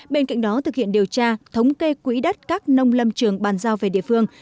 bên cạnh đó thực hiện điều tra thống kê quỹ đất các nông lâm trường bàn giao về địa phương